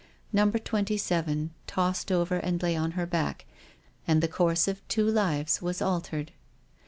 Number Twenty seven tossed over and lay on her back, and the course of two lives was altered.